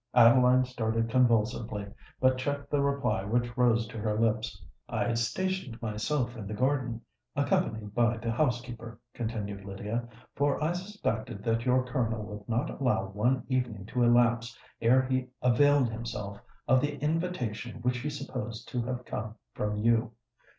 Adeline started convulsively, but checked the reply which rose to her lips. "I stationed myself in the garden, accompanied by the housekeeper," continued Lydia; "for I suspected that your Colonel would not allow one evening to elapse ere he availed himself of the invitation which he supposed to have come from you.